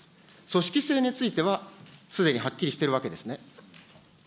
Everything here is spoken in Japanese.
組織性についてはすでにはっきりしているわけですね。